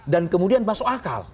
dan kemudian masuk akal